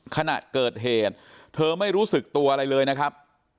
ขณะเกิดเหตุเธอไม่รู้สึกตัวอะไรเลยนะครับ